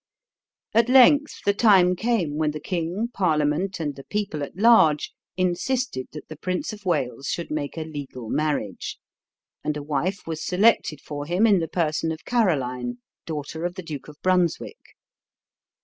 At length the time came when the king, Parliament, and the people at large insisted that the Prince of Wales should make a legal marriage, and a wife was selected for him in the person of Caroline, daughter of the Duke of Brunswick.